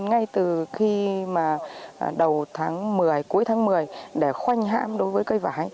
ngay từ khi mà đầu tháng một mươi cuối tháng một mươi để khoanh hãm đối với cây vải